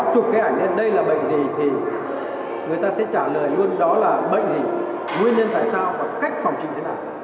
chụp cái ảnh đây là bệnh gì thì người ta sẽ trả lời luôn đó là bệnh gì nguyên nhân tại sao và cách phòng trình thế nào